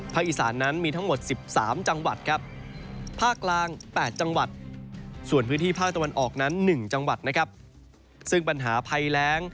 อีสานนั้นมีทั้งหมด๑๓จังหวัดครับภาคกลาง๘จังหวัดส่วนพื้นที่ภาคตะวันออกนั้น๑จังหวัดนะครับซึ่งปัญหาภัยแรง